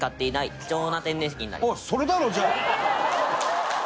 それだろじゃあ！